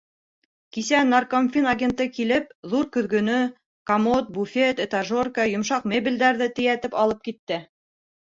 Кисә наркомфин агенты килеп, ҙур көҙгөнө, комод, буфет, этажерка, йомшаҡ мебелдәрҙе тейәтеп алып китте.